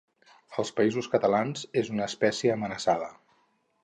Als Països Catalans és una espècie amenaçada.